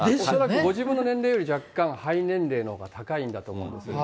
ご自分の年齢より若干肺年齢のほうが高いんだと思うんです。